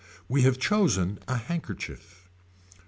We have chosen a handkerchief.